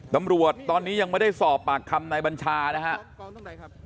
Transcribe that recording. ตำรวจตอนนี้ยังไม่ได้สอบปากคำนายบัญชานะครับ